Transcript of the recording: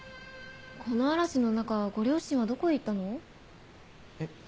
この嵐の中ご両親はどこへ行ったの？え？